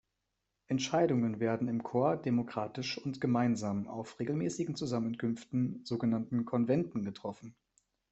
Entscheidungen werden im Corps demokratisch und gemeinsam auf regelmäßigen Zusammenkünften, sogenannten Konventen getroffen.